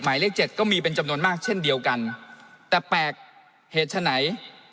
หมายเลขเจ็ดก็มีเป็นจำนวนมากเช่นเดียวกันแต่แปลกเหตุฉะไหน